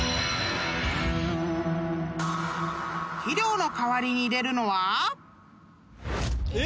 ［肥料の代わりに入れるのは］え！